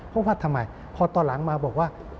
พอฟัดทำไมพอตอนหลังมาบอกว่า